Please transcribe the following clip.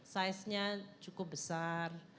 size nya cukup besar